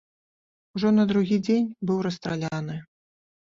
Ужо на другі дзень быў расстраляны.